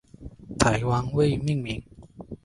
台湾未命名。